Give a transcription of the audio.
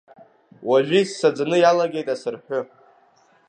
Уажәы иссаӡаны иалагеит асырҳәы.